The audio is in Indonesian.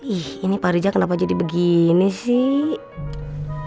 ih ini pak riza kenapa jadi begini sih